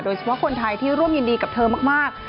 เฉพาะคนไทยที่ร่วมยินดีกับเธอมาก